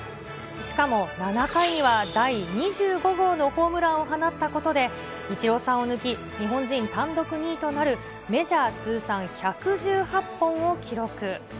しかも７回には第２５号のホームランを放ったことで、イチローさんを抜き、日本人単独２位となる、メジャー通算１１８本を記録。